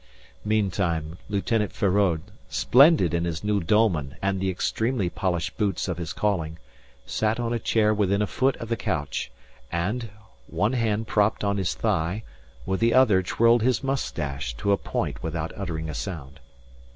Meantime Lieutenant Feraud, splendid in his new dolman and the extremely polished boots of his calling, sat on a chair within a foot of the couch and, one hand propped on his thigh, with the other twirled his moustache to a point without uttering a sound.